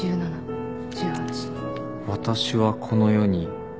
「私は」「この世」「に」